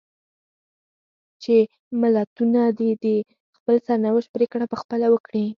چې ملتونه دې د خپل سرنوشت پرېکړه په خپله وکړي.